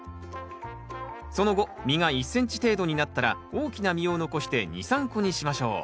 その後実が１ｃｍ程度になったら大きな実を残して２３個にしましょう。